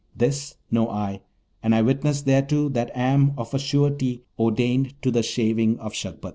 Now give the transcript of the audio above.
This know I, and I witness thereto that am of a surety ordained to the Shaving of Shagpat!'